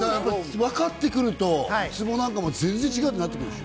わかってくると、ツボなんかも全然違うってなってくるんでしょ？